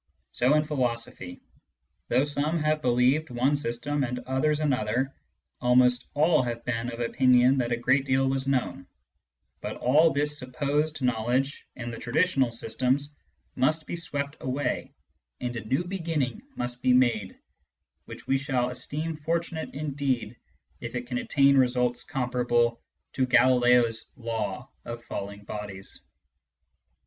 So in philosophy : though some have believed one system, and others another, almost all have been of opinion that a great deal was known ; but all this supposed knowledge in the traditional systems must be swept away, and a new banning must be made, which we shall esteem fortunate indeed if it can attain results comparable to Galileo's law of falling bodies.